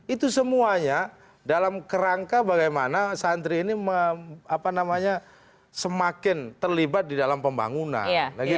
itu semuanya dalam kerangka bagaimana santri ini semakin terlibat di dalam pembangunan